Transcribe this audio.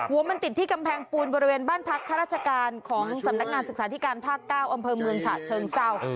หัวมันติดที่กำแพงปูนบริเวณบ้านพักข้าราชการของสำนักงานศึกษาธิการภาค๙อำเภอเมืองฉะเชิงเศร้า